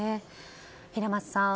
平松さん。